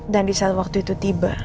dan di saat waktu itu tiba